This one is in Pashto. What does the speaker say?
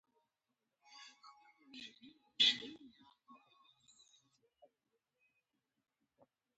خوب د ژوند یوه نازکه نغمه ده